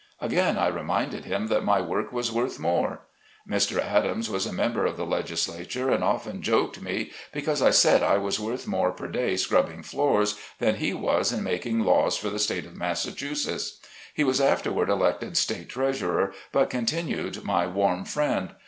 Again I reminded him that my work was worth more. Mr. Adams was a member of the legislature and often joked me, because I said that I was worth more per day scrubbing floors, than he was in mak ing laws for the state of Massachusetts. He was afterward elected State treasurer, but continued my warm friend.